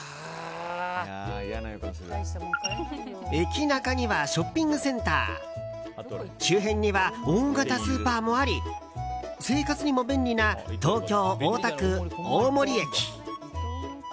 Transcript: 駅ナカにはショッピングセンター周辺には大型スーパーもあり生活にも便利な東京・大田区、大森駅。